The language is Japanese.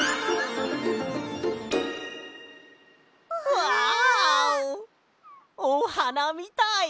うわ！おはなみたい！